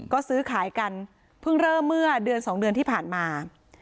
ก็ซื้อขายกันเพิ่งเริ่มเมื่อเดือน๒เดือนที่ผ่านมา